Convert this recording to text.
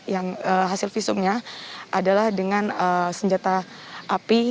yang hasil visumnya adalah dengan senjata api